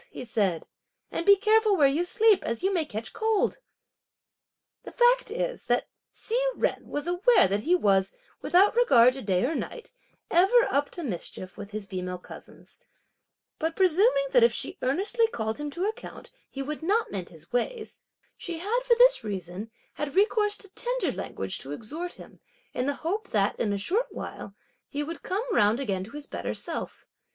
he said, "and be careful where you sleep, as you may catch cold." The fact is that Hsi Jen was aware that he was, without regard to day or night, ever up to mischief with his female cousins; but presuming that if she earnestly called him to account, he would not mend his ways, she had, for this reason, had recourse to tender language to exhort him, in the hope that, in a short while, he would come round again to his better self.